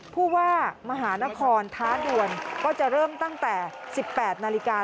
ผู้ว่ามหานครท้าด่วนก็จะเริ่มตั้งแต่๑๘นาฬิกา